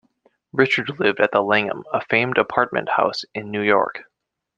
Ritchard lived at The Langham, a famed apartment house in New York.